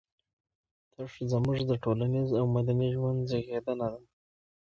تش زموږ د ټولنيز او مدني ژوند زېږنده دي.